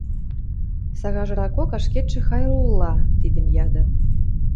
Сагажыракок ашкедшӹ Хайрулла тидӹм яды.